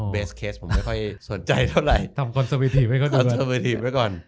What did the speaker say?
เบสเคสผมไม่ค่อยสนใจเท่าไหร่ทำคอนเซอร์เบอร์ทีปให้เขาดูก่อน